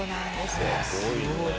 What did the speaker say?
すごい。